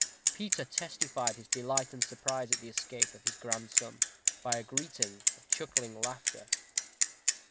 Peter testified his delight and surprise at the escape of his grandson, by a greeting of chuckling laughter.